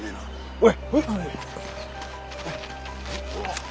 おい！